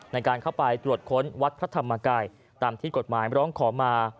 ในการเข้าไปตรวจค้นวัดพระธรรมกายตามที่กฎหมายร้องขอมา